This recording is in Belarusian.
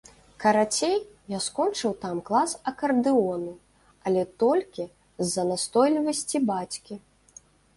Карацей, я скончыў там клас акардэону, але толькі з-за настойлівасці бацькі.